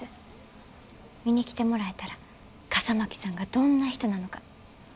見に来てもらえたら笠巻さんがどんな人なのか伝わると思います。